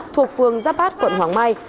thuộc phương giáp bát quận hoàng mai